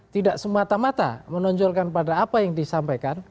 tidak semata mata menonjolkan pada apa yang disampaikan